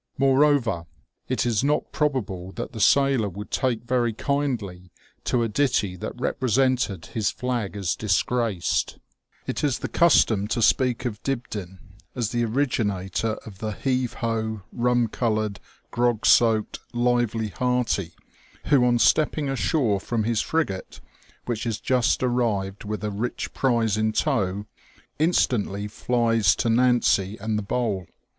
Moreover, it is not probable that the sailor would take very kindly to a ditty that represented his flag as disgraced. It is the 240 TUE OLD NAVAL SEA SONG. custom to speak of Dibdin as the originator of the heave ho, rum coloured, grog soaked, lively hearty, who on stepping ashore from his frigate, which has just arrived with a rich prize in tow, instantly flies to Nancy and the bowl.